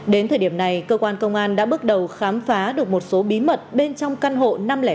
đến thời điểm này cơ quan công an đã bước đầu khám phá được một số bí mật bên trong căn hộ năm trăm linh năm